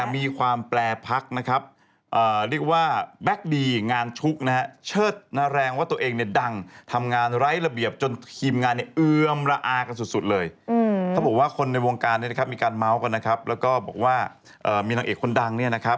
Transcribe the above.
แบบแถวหน้าของเมืองไทยของเมืองไทย